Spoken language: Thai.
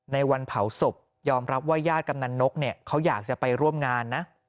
ในวันเผาศพยอมรับว่าญาติกำนันนกเนี่ยเขาอยากจะไปร่วมงานนะ